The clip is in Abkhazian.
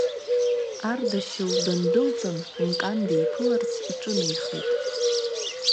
Ардашьыл дындәылҵын, Мкан диԥыларц иҿынеихеит.